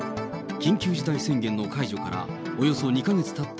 緊急事態宣言の解除からおよそ２か月たった